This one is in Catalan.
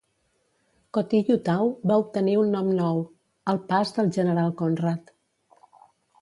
Khotyu-tau va obtenir un nom nou - "El pas del general Konrad".